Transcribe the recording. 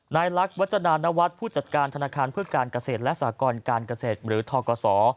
นายลักษณ์วัจนานวัฒน์ผู้จัดการธนาคารเพื่อการเกษตรและสากรการเกษตรหรือทกศ